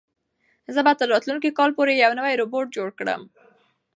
زه به تر راتلونکي کال پورې یو نوی روبوټ جوړ کړم.